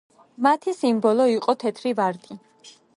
მათი სიმბოლო იყო თეთრი ვარდი.